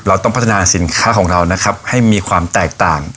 เราต้องพัฒนาสินค้าของเรานะครับให้มีความแตกต่าง